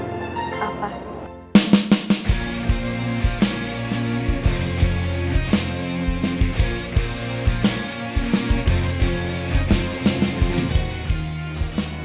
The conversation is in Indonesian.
gue mau ngakuin sesuatu